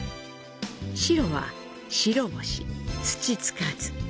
白は「白星・土つかず」